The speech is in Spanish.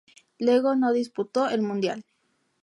Luego no disputó el mundial.